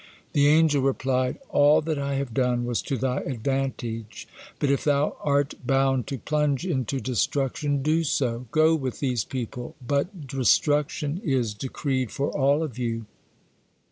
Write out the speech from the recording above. The angel replied: "All that I have done was to thy advantage, but if thou are bound to plunge into destruction, do so, go with these people, but destruction is decreed for all of you.